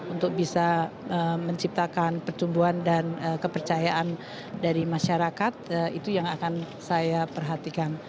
untuk bisa menciptakan pertumbuhan dan kepercayaan dari masyarakat itu yang akan saya perhatikan